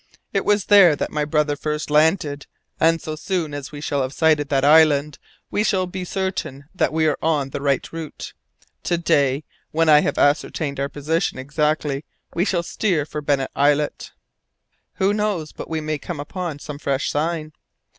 It was there that my brother first landed, and so soon as we shall have sighted that island we shall be certain that we are on the right route. To day, when I have ascertained our position exactly, we shall steer for Bennet Islet." "Who knows but that we may come upon some fresh sign?"